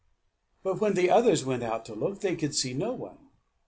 But when the others went out to look, they could see no one.